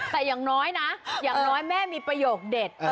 แต่อย่างน้อยนะอย่างน้อยแม่มีประโยคเด็ด